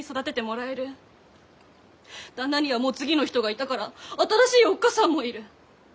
旦那にはもう次の人がいたから新しいおっ母さんもいる。